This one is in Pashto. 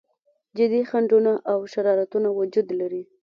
جدي خنډونه او شرارتونه وجود لري.